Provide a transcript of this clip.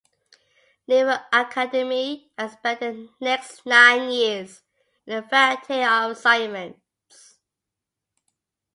Naval Academy and spent the next nine years in a variety of assignments.